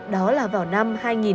đó là vào năm hai nghìn hai mươi